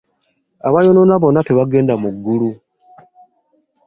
Abaayonoona bonna tebagenda mu ggulu.